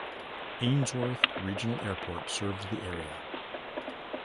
Ainsworth Regional Airport serves the area.